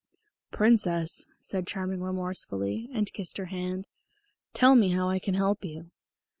"Princess," said Charming remorsefully, and kissed her hand, "tell me how I can help you."